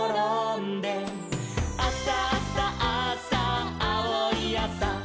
「あさあさあさあおいあさ」